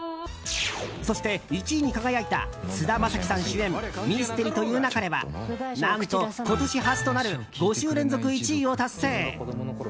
そして、１位に輝いた菅田将暉さん主演「ミステリと言う勿れ」は何と、今年初となる５週連続１位を達成。